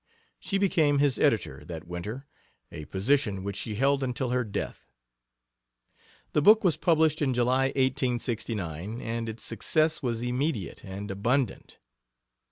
She became his editor that winter a position which she held until her death. The book was published in July, 1869, and its success was immediate and abundant.